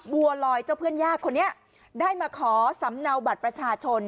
บัวลอยเจ้าเพื่อนยากคนนี้ได้มาขอสำเนาบัตรประชาชน